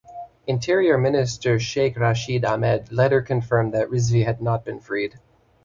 Interior Minister Sheikh Rasheed Ahmad later confirmed that Rizvi had not been freed.